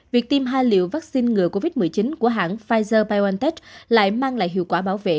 việc tiêm hai liệu vaccine ngừa covid một mươi chín của hãng pfizer biontech lại mang lại hiệu quả bảo vệ